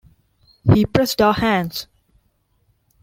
He pressed our hands.